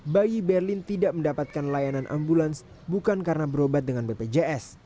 bayi berlin tidak mendapatkan layanan ambulans bukan karena berobat dengan bpjs